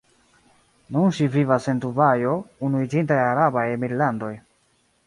Nun ŝi vivas en Dubajo, Unuiĝintaj Arabaj Emirlandoj.